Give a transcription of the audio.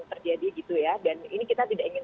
terjadi gitu ya dan ini kita tidak ingin